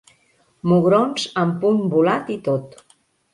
Mugrons amb punt volat i tot.